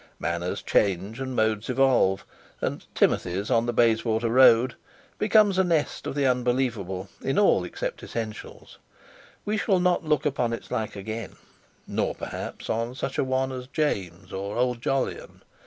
Manners change and modes evolve, and "Timothy's on the Bayswater Road" becomes a nest of the unbelievable in all except essentials; we shall not look upon its like again, nor perhaps on such a one as James or Old Jolyon.